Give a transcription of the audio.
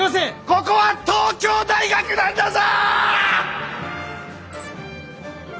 ここは東京大学なんだぞ！